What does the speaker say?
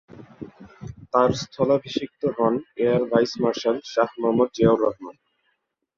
তার স্থলাভিষিক্ত হন air vice marshal Shah Mohammad Ziaur Rahman.